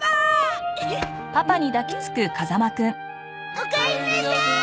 おかえりなさい！